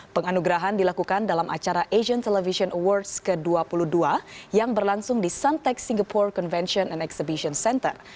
penganugerahan dilakukan dalam acara asian television awards ke dua puluh dua yang berlangsung di suntex singapore convention and exhibition center